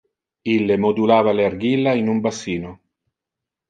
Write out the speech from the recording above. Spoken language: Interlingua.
Ille modulava le argilla in un bassino.